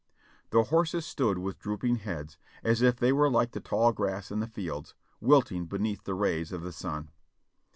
The horses stood with drooping heads, as if they were like the tall grass in the fields, wilting beneath the rays of the sun.